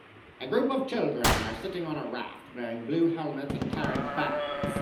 A group of children are sitting on a raft wearing blue helmets and carrying paddles